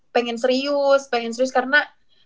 pengen serius pengen serius karena